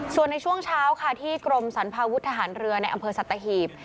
ส่วนในช่วงเช้าค่ะที่กรมสรรพาวุฒิทหารเรือในอำเภอสัตหีบ